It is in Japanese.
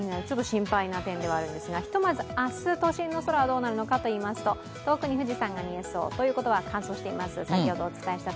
ちょっと心配な点ではあるんですが、ひとまず、明日都心の空がどうなるかというと富士山が見えそうということは乾燥しています。